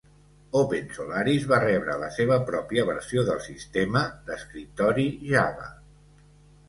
OpenSolaris va rebre la seva pròpia versió del sistema d'escriptori Java.